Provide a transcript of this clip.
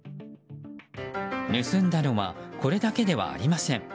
盗んだのはこれだけではありません。